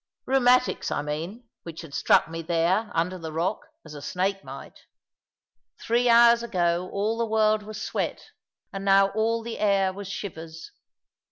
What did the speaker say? Rheumatics, I mean, which had struck me there, under the rock, as a snake might. Three hours ago all the world was sweat, and now all the air was shivers.